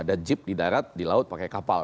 ada jeep di darat di laut pakai kapal